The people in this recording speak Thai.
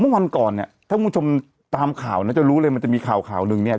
เมื่อวันก่อนเนี่ยถ้าคุณผู้ชมตามข่าวนะจะรู้เลยมันจะมีข่าวข่าวหนึ่งเนี่ย